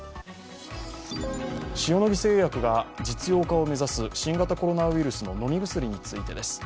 塩野義製薬が実用化を目指す新型コロナウイルスの飲み薬についてです。